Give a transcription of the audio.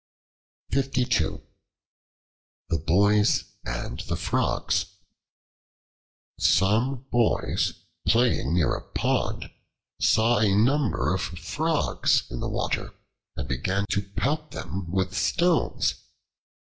The Boys and the Frogs SOME BOYS, playing near a pond, saw a number of Frogs in the water and began to pelt them with stones.